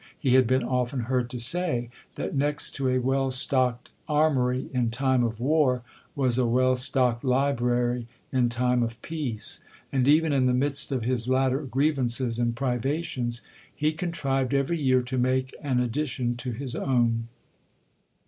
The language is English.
He had been often heard to say, that next to a well stocked armoury in time of war, was a well stocked library in time of peace; and even in the midst of his latter grievances and privations, he contrived every year to make an addition to his own.